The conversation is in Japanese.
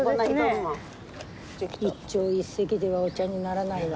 一朝一夕ではお茶にならないわ。